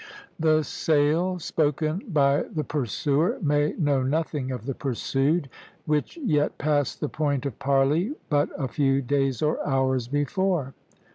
The sail spoken by the pursuer may know nothing of the pursued, which yet passed the point of parley but a few days or hours before.